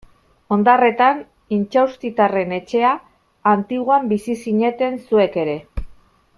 Ondarretan Intxaustitarren etxea, Antiguan bizi zineten zuek ere.